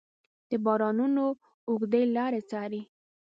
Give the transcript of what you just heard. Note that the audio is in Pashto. د بارانونو اوږدې لارې څارې